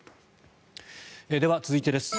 では続いてです。